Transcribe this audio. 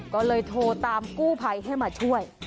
ก็เลยโทรตามกู้ภัยให้มาช่วย